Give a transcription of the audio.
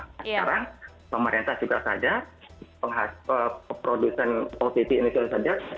sekarang pemerintah juga sadar peproducen ott ini juga sadar